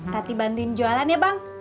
tati bantuin jualan ya bang